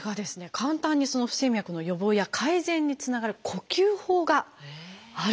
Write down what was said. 簡単に不整脈の予防や改善につながる呼吸法があるということなんです。